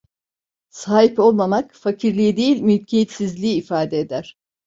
Sahip olmamak, fakirliği değil mülkiyetsizliği ifade eder.